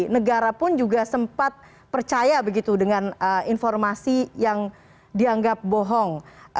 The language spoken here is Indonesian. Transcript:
negara pun juga sempat percaya begitu dengan informasi yang dianggap bohong